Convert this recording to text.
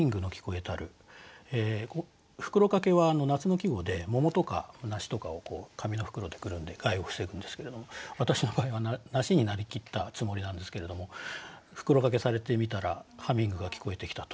「袋掛」は夏の季語で桃とか梨とかを紙の袋でくるんで害を防ぐんですけれども私の場合は梨になりきったつもりなんですけれども袋掛けされてみたらハミングが聞こえてきたと。